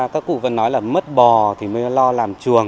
các cụ vẫn nói là mất bò thì mới lo làm chuồng